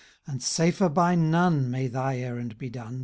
nd safer by none may thy errand be done.